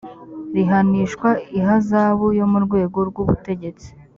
rihanishwa ihazabu yo mu rwego rw’ ubutegetsi